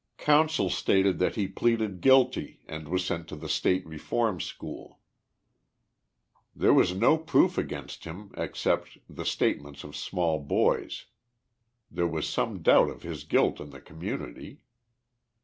Counsel stated that he pleaded guilty and was sent to the State Reform School. There was no proof against him except the statements of small boys. There was some doubt of his guilt in the community.